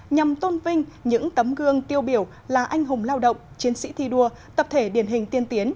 nhằm tôn vinh những tấm gương tiêu biểu là anh hùng lao động chiến sĩ thi đua tập thể điển hình tiên tiến